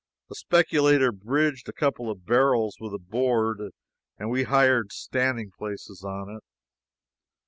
A speculator bridged a couple of barrels with a board and we hired standing places on it.